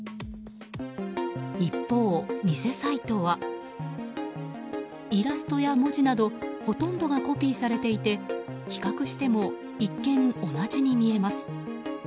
一方、偽サイトはイラストや文字などほとんどがコピーされていて比較しても一見、同じに見えます。